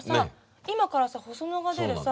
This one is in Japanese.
今からさホソノが出るさ